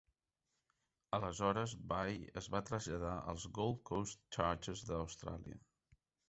Aleshores Bai es va traslladar als Gold Coast Chargers d'Austràlia.